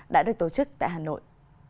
đã được tổ chức tại hà nội